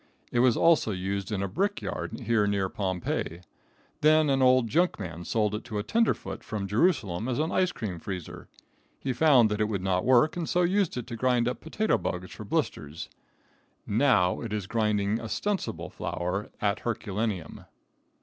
It was also used in a brick yard here near Pompeii; then an old junk man sold it to a tenderfoot from Jerusalem as an ice cream freezer. He found that it would not work, and so used it to grind up potato bugs for blisters. Now it is grinding ostensible flour at Herculaneum.